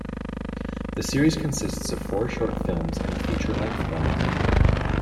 The series consists of four short films and a feature-length film.